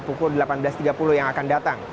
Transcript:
pukul delapan belas tiga puluh yang akan datang